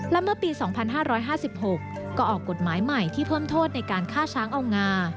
และเมื่อปี๒๕๕๖ก็ออกกฎหมายใหม่ที่เพิ่มโทษในการฆ่าช้างเอางา